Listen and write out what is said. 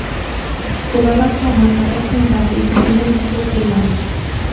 Jugaba como marcador central y su primer equipo fue Lanús.